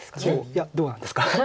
いやどうなんですか？